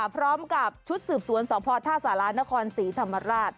พร้อมกับชุดสืบสวนสพท่าสารานครศรีธรรมราช